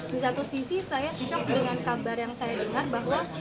disatu sisi saya shock dengan kabar yang saya dengar bahwa